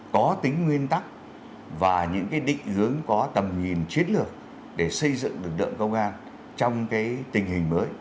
có tính nguyên tắc và những định hướng có tầm nhìn chiến lược để xây dựng lực lượng công an trong tình hình mới